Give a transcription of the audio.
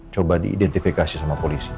coba diidentifikasi sama polisi